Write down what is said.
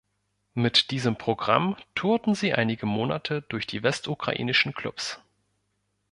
Mit diesem Programm tourten sie einige Monate durch die westukrainischen Klubs.